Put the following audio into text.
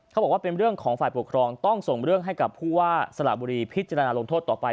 เขาบอกว่าเป็นเรื่องของฝ่ายปกครองต้องส่งเรื่องให้กับผู้ว่าสละบุรีพิจารณาลงโทษต่อไป